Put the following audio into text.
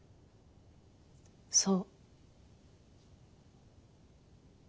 そう。